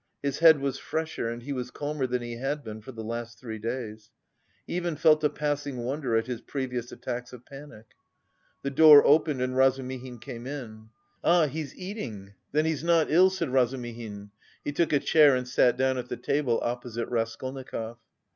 His head was fresher and he was calmer than he had been for the last three days. He even felt a passing wonder at his previous attacks of panic. The door opened and Razumihin came in. "Ah, he's eating, then he's not ill," said Razumihin. He took a chair and sat down at the table opposite Raskolnikov.